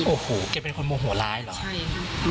โอ้โหแกเป็นคนมงหัวร้ายเหรอ